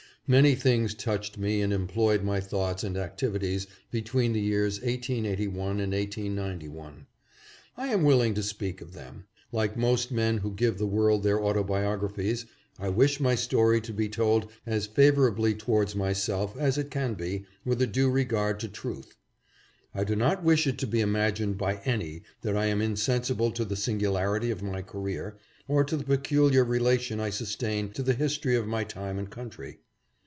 Many things touched me and employed my thoughts and activities between the years 1881 and 1891. I am willing to speak of them. Like most men who give the HIS LIFE WORK. 623 world their autobiographies I wish my story to be told as favorably towards myself as it can be with a due regard to truth. I do not wish it to be imagined by any that I am insensible to the singularity of my career, or to the peculiar relation I sustain to the history of my time and country.